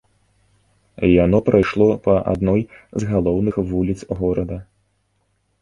Яно прайшло па адной з галоўных вуліц горада.